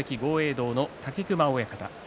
道の武隈親方です。